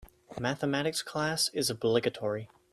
Mathematics class is obligatory.